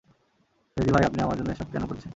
ফেজি ভাই আপনি আমার জন্য এসব কেনো করছেন?